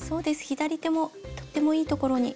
左手もとってもいい所に。